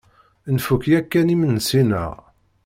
Nfuk yakan imensi-nneɣ.